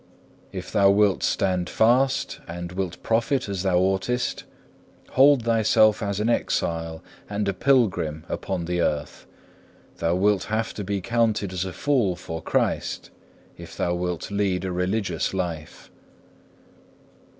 If thou wilt stand fast and wilt profit as thou oughtest, hold thyself as an exile and a pilgrim upon the earth. Thou wilt have to be counted as a fool for Christ, if thou wilt lead a religious life.